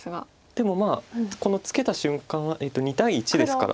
でもこのツケた瞬間は２対１ですから。